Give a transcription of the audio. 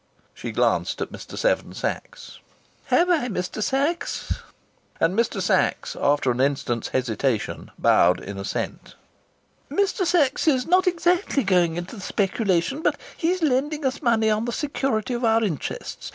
She glanced at Mr. Seven Sachs. "Have I, Mr. Sachs?" And Mr. Sachs, after an instant's hesitation, bowed in assent. "Mr. Sachs is not exactly going into the speculation, but he is lending us money on the security of our interests.